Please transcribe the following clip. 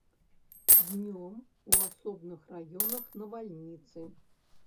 Днём у асобных раёнах навальніцы.